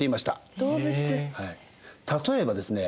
例えばですね